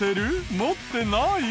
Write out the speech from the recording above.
持ってない？